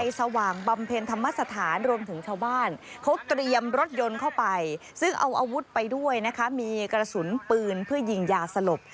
สว่างบำเพ็ญธรรมสถานรวมถึงชาวบ้านเขาเตรียมรถยนต์เข้าไปซึ่งเอาอาวุธไปด้วยนะคะมีกระสุนปืนเพื่อยิงยาสลบ